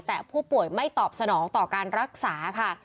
แต่ผู้ป่วยไม่ตอบสนองต่อการรักษาค่ะ